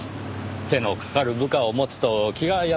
手のかかる部下を持つと気が休まりません。